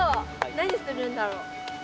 何するんだろ？